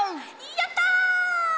やった！